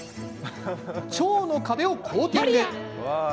腸の壁をコーティング。